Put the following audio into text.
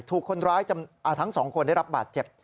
ถูกคนร้ายทั้ง๒คนได้รับบาดเจ็บ